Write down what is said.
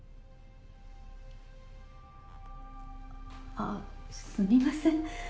あすみません